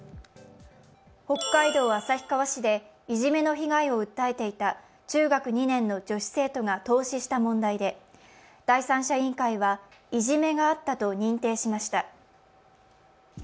北海道旭川市でいじめの被害を訴えていた中学２年生の女子生徒が凍死した問題で、第三者委員会は、いじめがあったと認定しました。